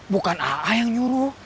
bukan aa yang nyuruh